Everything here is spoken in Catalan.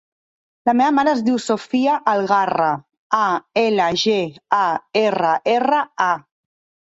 La meva mare es diu Sofía Algarra: a, ela, ge, a, erra, erra, a.